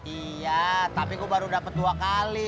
iya tapi gue baru dapat dua kali